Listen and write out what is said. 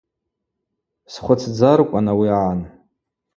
Схвыцдзаркӏван ауи агӏан.